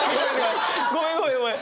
ごめんごめんごめん！